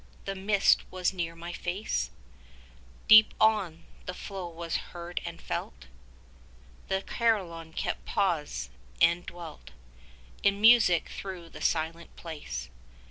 The mist was near my face: 15 Deep on, the flow was heard and felt. The Carillon kept pause, and dwelt In music through the silent place.